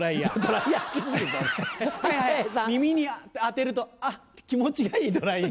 耳に当てると「あ」って気持ちがいいドライヤー。